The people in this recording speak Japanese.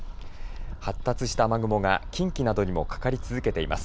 発達した雨雲が近畿などにもかかり続けています。